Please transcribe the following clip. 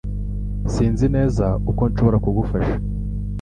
Sinzi neza uko nshobora kugufasha